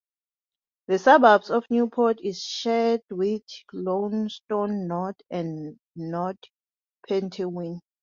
The suburb of Newport is shared with Launceston North and North Petherwin.